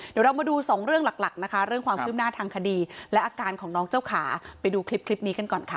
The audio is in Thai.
เดี๋ยวเรามาดูสองเรื่องหลักหลักนะคะเรื่องความคืบหน้าทางคดีและอาการของน้องเจ้าขาไปดูคลิปนี้กันก่อนค่ะ